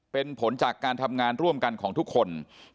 เป็นผลจากการทำงานร่วมกันของทุกคน